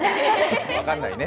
分かんないね。